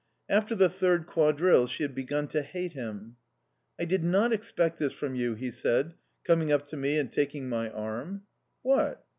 After the third quadrille she had begun to hate him. "I did not expect this from you," he said, coming up to me and taking my arm. "What?"